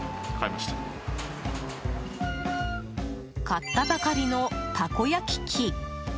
買ったばかりの、たこ焼き器。